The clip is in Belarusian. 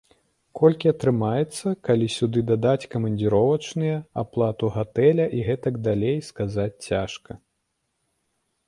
Колькі атрымаецца, калі сюды дадаць камандзіровачныя, аплату гатэля і гэтак далей, сказаць цяжка.